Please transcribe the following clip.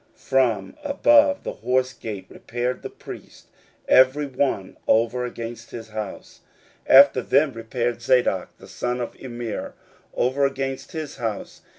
16:003:028 From above the horse gate repaired the priests, every one over against his house. 16:003:029 After them repaired Zadok the son of Immer over against his house.